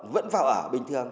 vẫn vào ở bình thường